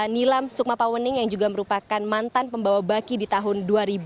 nilam sukmapa wenning yang juga merupakan mantan pembawa baki di tahun dua ribu enam belas